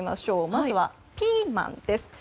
まずはピーマンです。